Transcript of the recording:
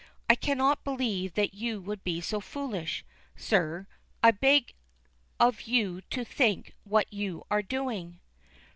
I cannot believe that you would be so foolish, sir. I beg of you to think what you are doing."